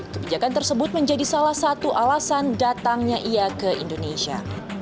kebijakan tersebut menjadi salah satu alasan datangnya ia ke indonesia